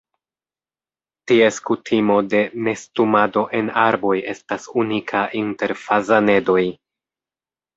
Ties kutimo de nestumado en arboj estas unika inter fazanedoj.